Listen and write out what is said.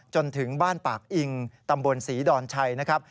จนถึงบ้านปากอิงตำบลศรีดอนชัยนะครับ